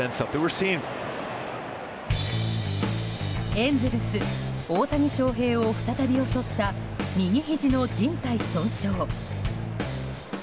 エンゼルス、大谷翔平を再び襲った右ひじのじん帯損傷。